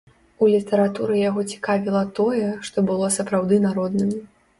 У літаратуры яго цікавіла тое, што было сапраўды народным.